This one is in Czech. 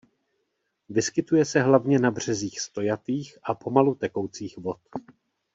Vyskytuje se hlavně na březích stojatých a pomalu tekoucích vod.